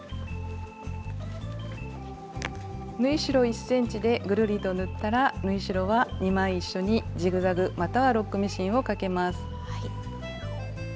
縫い代１ｃｍでぐるりと縫ったら縫い代は２枚一緒にジグザグまたはロックミシンをかけます。